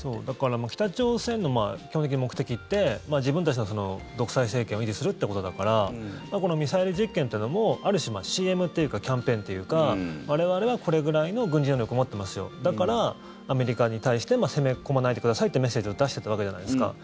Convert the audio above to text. だから北朝鮮の基本的に目的って自分たちの独裁政権を維持するということだからこのミサイル実験というのもある種、ＣＭというかキャンペーンというか我々はこれくらいの軍事力を持ってますよだからアメリカに対して攻め込まないでくださいっていうメッセージを出していたわけじゃないですか。